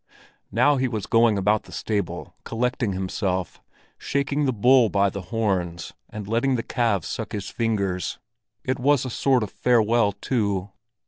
Now he was going about the stable, collecting himself, shaking the bull by the horns, and letting the calves suck his fingers; it was a sort of farewell too!